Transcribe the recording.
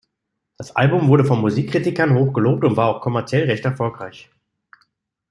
Das Album wurde von Musikkritikern hochgelobt und war auch kommerziell recht erfolgreich.